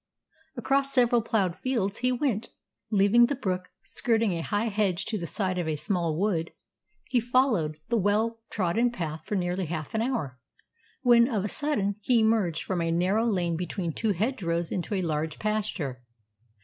Across several ploughed fields he went, leaving the brook, and, skirting a high hedge to the side of a small wood, he followed the well trodden path for nearly half an hour, when, of a sudden, he emerged from a narrow lane between two hedgerows into a large pasture.